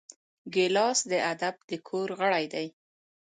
ګیلاس د ادب د کور غړی دی.